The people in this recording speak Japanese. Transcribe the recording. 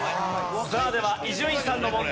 さあでは伊集院さんの問題。